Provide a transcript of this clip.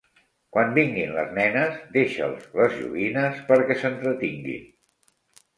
Quan vinguin les nenes, deixa'ls les joguines perquè s'entretinguin.